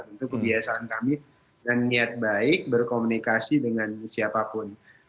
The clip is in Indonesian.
itu kebiasaan kami dan niat baik berkomunikasi dengan siapapun